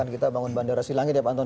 kita bangun bandara silangit ya pak anton